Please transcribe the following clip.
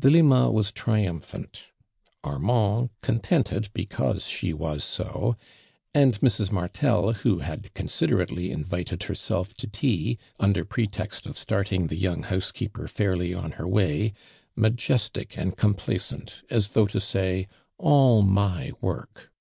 Delima was triumphant, Armand contented because slio wim so, und Mrs. Martel, wlio had considtn ately invited herself to tea, under pretext of starting the young house kooper fairly on hor way, ma jestic and complacent as thoii;,'li to say '<ttU my work!"'